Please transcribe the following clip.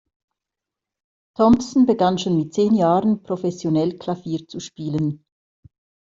Thompson begann schon mit zehn Jahren, professionell Klavier zu spielen.